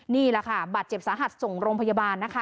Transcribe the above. นี่แหละค่ะบาดเจ็บสาหัสส่งโรงพยาบาลนะคะ